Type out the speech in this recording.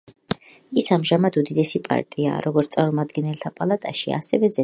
ის ამჟამად უდიდესი პარტიაა, როგორც წარმომადგენელთა პალატაში, ასევე ზედა პალატაში.